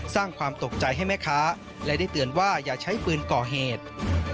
สร้างความตกใจให้แม่ค้าและได้เตือนว่าอย่าใช้ปืนก่อเหตุ